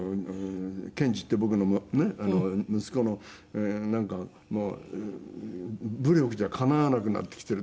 賢二って僕の息子のなんかもう武力じゃかなわなくなってきている。